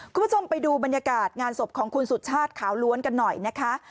คุณผู้ชมไปดูบรรยากาศงานศพของคุณสุชาติขาวล้วนกันหน่อยนะคะ